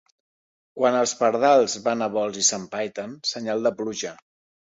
Quan els pardals van a vols i s'empaiten, senyal de pluja.